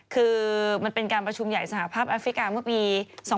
คือมันเป็นการประชุมใหญ่สหภาพแอฟริกาเมื่อปี๒๕๖